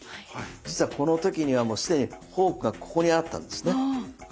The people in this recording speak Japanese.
実はこの時にはもう既にフォークがここにあったんですね。